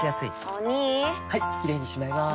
お兄はいキレイにしまいます！